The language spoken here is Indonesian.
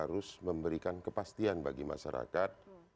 harus memberikan kepastian bagi masyarakat